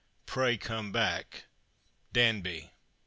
Pray come back. " Danby."